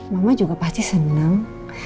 mama juga pasti senang